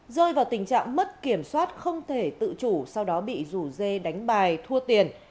rơi vào tình trạng mất kiểm soát không thể tự chủ sau đó bị rủ dê đánh bài thua tiền